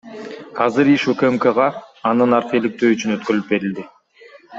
Азыр иш УКМКга андан аркы иликтөө үчүн өткөрүлүп берилди.